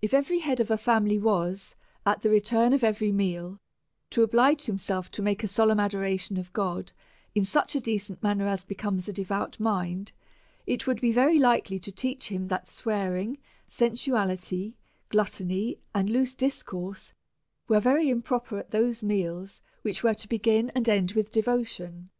If every head of a family was, at the return of every meal, to oblige himself to make a solemn adoration of God in such a decent manner as becomes a devout mind, it would be very likely to teach him, that swearing, sensuality, gluttony, and loose discourse, were very improper at those meals which were to begin and end with devotion.